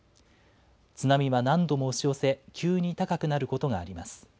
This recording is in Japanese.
津波は何度も押し寄せ、急に高くなることがあります。